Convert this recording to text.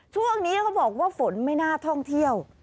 ช่วงนี้เขาบอกว่าฝนไม่น่าท่องเที่ยว